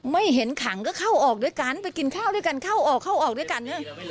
ไม่เห็นขังก็เข้าออกด้วยกันไปกินข้าวด้วยกันเข้าออกเข้าออกด้วยกัน